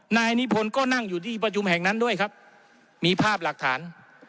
นายนิพนธ์ก็นั่งอยู่ที่ประชุมแห่งนั้นด้วยครับมีภาพหลักฐาน